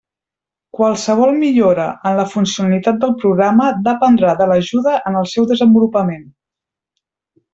Qualsevol millora en la funcionalitat del programa dependrà de l'ajuda en el seu desenvolupament.